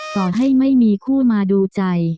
ต่อให้ไม่มีคู่มาดูใจ